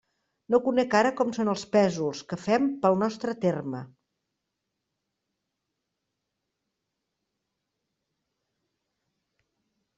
No conec ara com són els pésols que fem pel nostre terme.